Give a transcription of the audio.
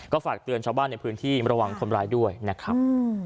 ฝากเตือนชาวบ้านในพื้นที่ระวังคนร้ายด้วยนะครับ